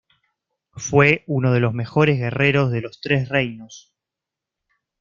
Fue uno de los mejores guerreros de los Tres Reinos.